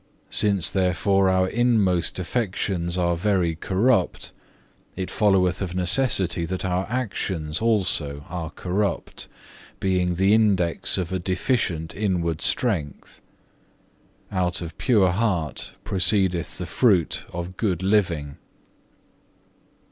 Since therefore our inmost affections are very corrupt, it followeth of necessity that our actions also are corrupt, being the index of a deficient inward strength. Out of a pure heart proceedeth the fruit of good living.